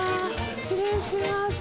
失礼します。